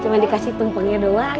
cuma dikasih tumpengnya doang